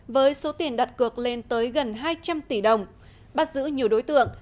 với số tiền đặt cược lên tới gần hai trăm linh tỷ đồng bắt giữ nhiều đối tượng